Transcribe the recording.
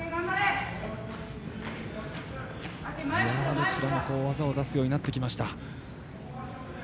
どちらも技を出すようになってきました。